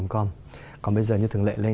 còn bây giờ như thường lệ